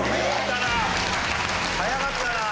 早かったなあ。